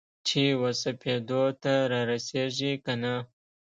چې وسپېدو ته رارسیږې کنه؟